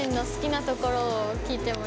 好きなところ？